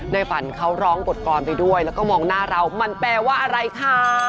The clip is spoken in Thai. ในฝันเขาร้องบทกรไปด้วยแล้วก็มองหน้าเรามันแปลว่าอะไรคะ